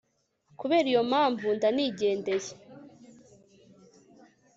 kubera iyo mpamvu ndanigendeye